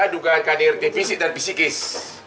dugaan kdrt fisik dan fisikis